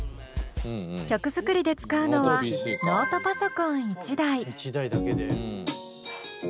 曲作りで使うのはノートパソコン１台。